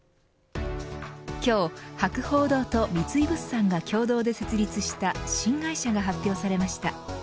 今日博報堂と三井物産が共同で設立した新会社が発表されました。